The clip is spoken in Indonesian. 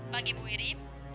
pagi bu wiri